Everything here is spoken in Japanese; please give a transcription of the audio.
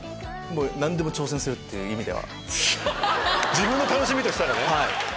自分の楽しみとしたらね。